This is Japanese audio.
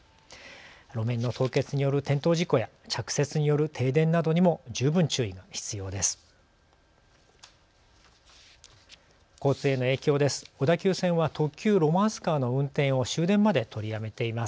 路面の凍結による転倒事故や着雪による停電などにも十分注意が必要です。